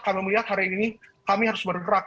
kami melihat hari ini kami harus bergerak